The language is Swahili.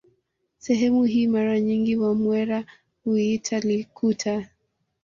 Sehemu hii mara nyingi wamwera huiita Likuta